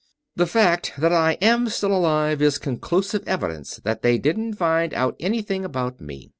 "The fact that I am still alive is conclusive evidence that they didn't find out anything about me.